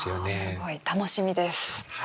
すごい楽しみです。